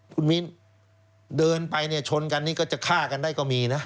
คุณมินเดินไปเนี่ยชนกันนี่ก็จะฆ่ากันได้ก็มีนะ